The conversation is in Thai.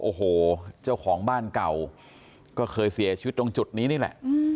โอ้โหเจ้าของบ้านเก่าก็เคยเสียชีวิตตรงจุดนี้นี่แหละ